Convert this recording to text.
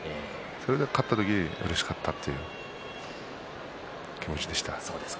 それで勝った時うれしかったというね気持ちでした。